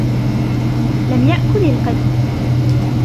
لَمْ يَأْكُلْ الْقِطُّ.